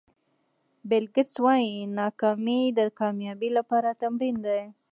بیل ګېټس وایي ناکامي د کامیابۍ لپاره تمرین دی.